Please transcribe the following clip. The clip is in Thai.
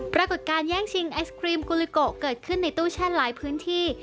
ปรากฏการณ์แย่งชิงไอศครีมกุลิโกเกิดขึ้นในตู้แช่หลายพื้นที่